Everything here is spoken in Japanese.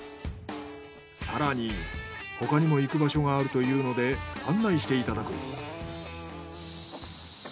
更に他にも行く場所があるというので案内していただく。